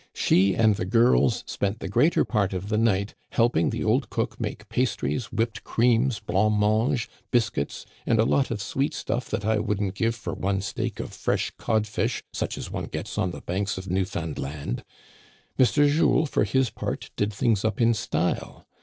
She and the girls spent the greater part of the night helping the old cook make pastries, whipped creams, blanc mange, biscuits, and a lot of sweet stuff that I wouldn't give for one steak of fresh codfish, such as one gets on the Banks of Newfoundland. Mr. Jules, for his part, did things up in style.